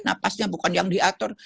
nafasnya bukan yang diatur